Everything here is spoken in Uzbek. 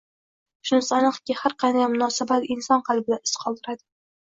Shunisi aniqki, har qanday munosabat inson qalbida iz qoldiradi